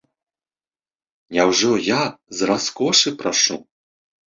Няўжо я з раскошы прашу?